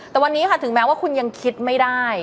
แต่วันนี้ค่ะถึงแม้ว่าคุณยังคิดไม่ได้